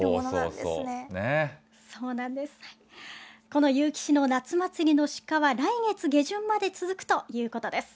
この結城市の夏祭りの出荷は、来月下旬まで続くということです。